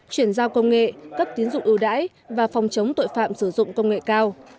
chuyển giao công nghệ cấp tín dụng ưu đãi và phòng chống tội phạm sử dụng công nghệ cao